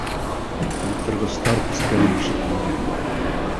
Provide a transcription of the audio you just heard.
Ултырғыстар күскәне ишетелде